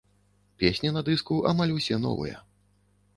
Песні на дыску амаль усе новыя.